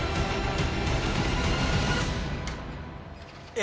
え！